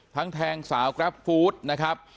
ทั้งแทงสาวกรับฟูตนะครับ